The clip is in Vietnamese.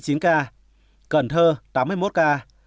cần thơ tám mươi một ca